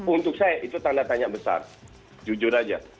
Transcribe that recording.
untuk saya itu tanda tanya besar jujur aja